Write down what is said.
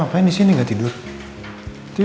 aku mau denger sekali